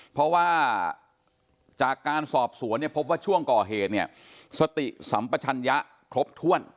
เพราะว่าจากการสอบสวนเนี่ยพบว่าช่วงก่อเหตุเนี่ยสติสัมปชัญญะครบถ้วน